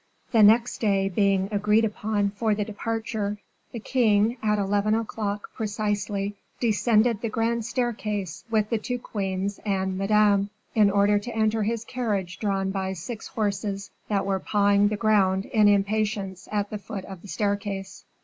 The next day being agreed upon for the departure, the king, at eleven o'clock precisely, descended the grand staircase with the two queens and Madame, in order to enter his carriage drawn by six horses, that were pawing the ground in impatience at the foot of the staircase.